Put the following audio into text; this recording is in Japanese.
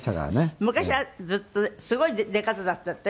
「昔はずっとすごい出方だったって？